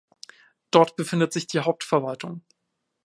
Dort befindet sich die Hauptverwaltung.